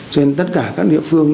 cho nên tất cả các địa phương